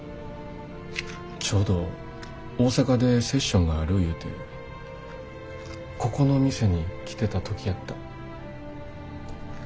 ちょうど大阪でセッションがあるいうてここの店に来てた時やった。